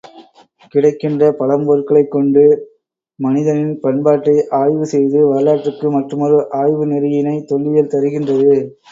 கிடைக்கின்ற பழம்பொருட்களைக் கொண்டு மனிதனின் பண்பாட்டை ஆய்வு செய்து வரலாற்றுக்கு மற்றமொரு ஆய்வு நெறியினைத் தொல்லியல் தருகின்றது.